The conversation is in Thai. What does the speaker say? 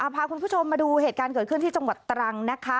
พาคุณผู้ชมมาดูเหตุการณ์เกิดขึ้นที่จังหวัดตรังนะคะ